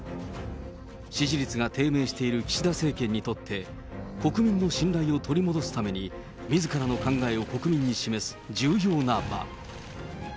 支持率が低迷している岸田政権にとって、国民の信頼を取り戻すために、みずからの考えを国民に示す重要な場。